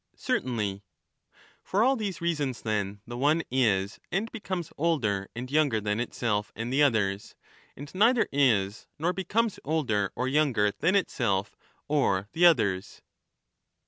Certainly. For all these reasons, then, the one is and becomes older and younger than itself and the others, and neither is nor becomes older or younger than itself or the others.